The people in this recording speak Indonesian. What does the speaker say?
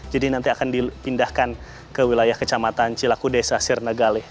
jadi nanti akan dipindahkan ke wilayah kecamatan cilaku desa sirnegale